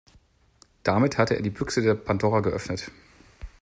Damit hat er die Büchse der Pandora geöffnet.